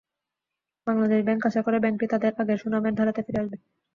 Bangladesh bank আশা করে, ব্যাংকটি তাদের আগের সুনামের ধারাতে ফিরে আসবে।